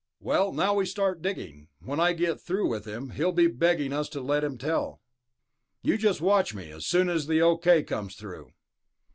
Well, now we start digging. When I get through with him, he'll be begging us to let him tell. You just watch me, as soon as the okay comes through...."